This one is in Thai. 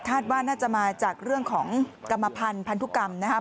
ว่าน่าจะมาจากเรื่องของกรรมพันธ์พันธุกรรมนะครับ